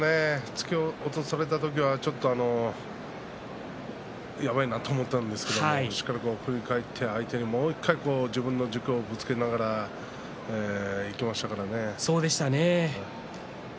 突き起こされた時にはやばいなと思ったんですけどしっかり切り替えて相手にもう１回自分の軸をぶつけながらいっていましたからね。